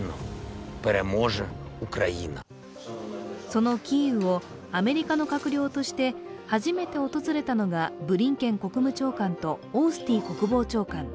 そのキーウをアメリカの閣僚として初めて訪れたのがブリンケン国務長官とオースティン国防長官。